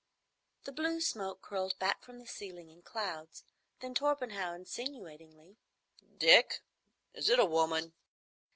The blue smoke curled back from the ceiling in clouds. Then Torpenhow, insinuatingly—"Dick, is it a woman?"